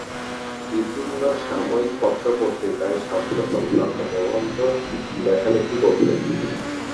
বিভিন্ন সাময়িক পত্র পত্রিকায় স্বাস্থ্য সংক্রান্ত প্রবন্ধ লেখালেখি করতেন।